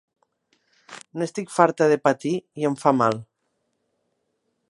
N'estic farta de patir i em fa mal.